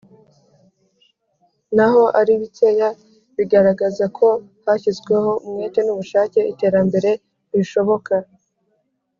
naho ari bikeya, biragaragaza ko hashyizweho umwete n'ubushake, iterambere rishoboka.